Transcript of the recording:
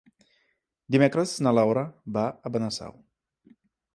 Dimecres na Laura va a Benasau.